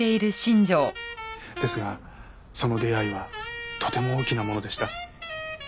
ですがその出会いはとても大きなものでした。